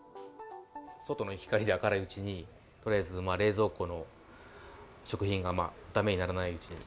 外の光で明るいうちに、とりあえず冷蔵庫の食品がだめにならないうちに。